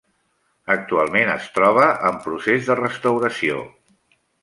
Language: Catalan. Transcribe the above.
Actualment es troba en procés de restauració.